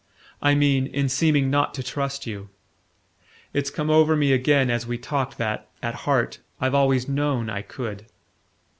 "I mean, in seeming not to trust you. It's come over me again as we talked that, at heart, I've always KNOWN I could..."